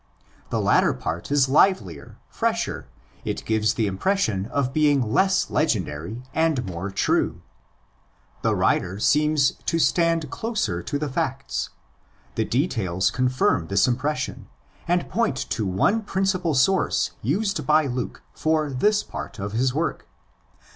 The latter part is livelier, fresher; it gives the impression of being less legendary and more true. The writer α 82 THE ACTS OF THE APOSTLES seems to stand closer to the facts. The details confirm this impression, and point to one principal source used by Luke for this part of his work.